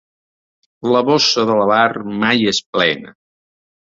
La bossa de l'avar mai és plena.